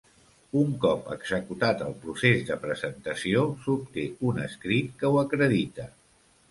Un cop executat el procés de presentació, s'obté un escrit que ho acredita.